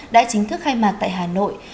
đã chính thức khai mạc tại hà nội